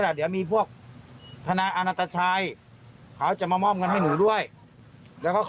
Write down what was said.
ในบาสกับแฟนสาวก็ให้กลับบ้านได้เหลือทุกคนค่ะ